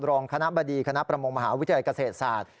รองคณะบดีคณะประมงมหาวิทยาลัยเกษตรศาสตร์